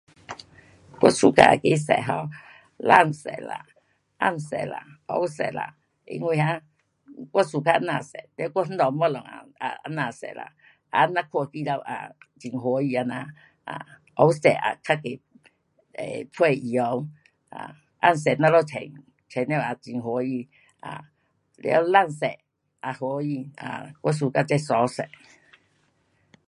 我 suka 那个色 um 蓝色啦，红色啦，黑色啦，因为 um 我 suka 这样色，完我那家东西也，也这样色啦，红咱看起来也欢喜这样，啊，黑色也较多陪衣物，啊，红色咱们穿，穿了也很欢喜，啊，完蓝色也欢喜，啊我 suka 这三色。